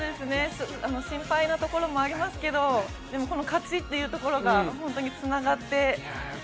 心配なところもありますけど、この勝ちというところがつながって。